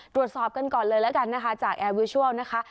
ตรวจสอบกันก่อนเลยแล้วกันนะคะจากแอร์วิชัลนะคะ